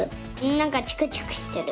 なんかチクチクしてる。